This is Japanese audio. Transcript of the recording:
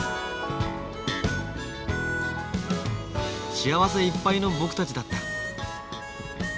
幸せいっぱいの僕たちだった。